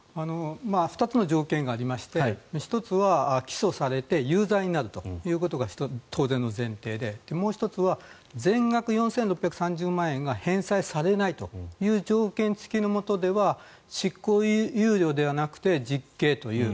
２つの条件がありまして１つは起訴されて有罪になるというのが当然の前提で、もう１つは全額４６３０万円が返済されないという条件付きのもとでは執行猶予ではなくて実刑という。